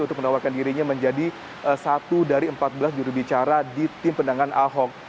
untuk menawarkan dirinya menjadi satu dari empat belas jurubicara di tim pendangan ahok